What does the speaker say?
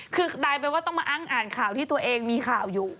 คือกลายเป็นว่าต้องมาอ้างอ่านข่าวที่ตัวเองมีข่าวอยู่